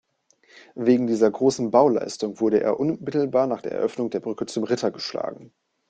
Wegen dieser großen Bauleistung wurde er unmittelbar nach Eröffnung der Brücke zum Ritter geschlagen.